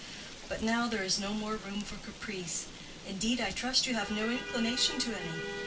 "But now there is no more room for caprice; indeed, I trust you have no inclination to any.